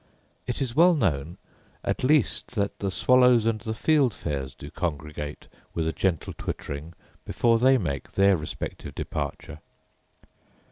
It is well known, at least, that the swallows and the fieldfares do congregate with a gentle twittering before they make their respective departure.